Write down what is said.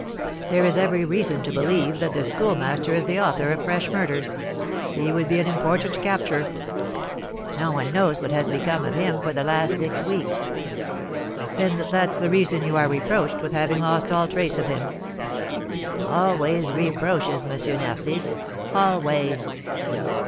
"There is every reason to believe that the Schoolmaster is the author of fresh murders. He would be an important capture." "No one knows what has become of him for the last six weeks." "And that's the reason you are reproached with having lost all trace of him." "Always reproaches, M. Narcisse, always!"